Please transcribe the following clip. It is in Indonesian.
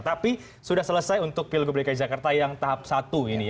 tapi sudah selesai untuk pilgub dki jakarta yang tahap satu ini ya